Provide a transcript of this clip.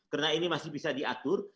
karena ini masih bisa diatur